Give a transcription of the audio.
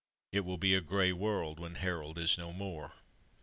It will be a grey world when Harold is no more.